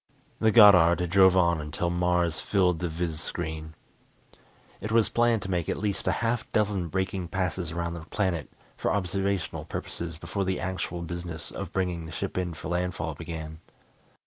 The Goddard drove on until Mars filled the viz screen. It was planned to make at least a half dozen braking passes around the planet for observational purposes before the actual business of bringing the ship in for landfall began.